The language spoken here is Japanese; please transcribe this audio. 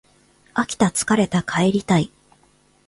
飽きた疲れた帰りたい